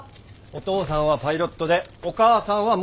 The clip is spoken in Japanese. お父さんはパイロットでお母さんは元ＣＡ。